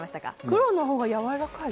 黒のほうがやわらかい。